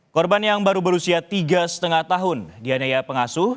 korban yang baru berusia tiga lima tahun dianiaya pengasuh